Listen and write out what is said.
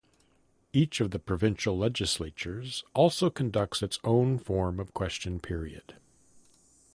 Each of the provincial legislatures also conducts its own form of question period.